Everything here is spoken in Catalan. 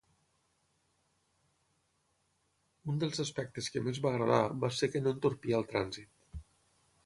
Un dels aspectes que més va agradar va ser que no entorpia el trànsit.